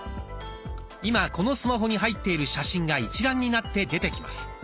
今このスマホに入っている写真が一覧になって出てきます。